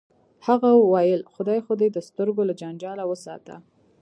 هغه ویل خدای خو دې د سترګو له جنجاله وساته